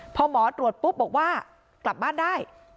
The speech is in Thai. พอหมอตรวจปุ๊บบอกว่ากลับบ้านได้